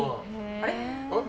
あれ。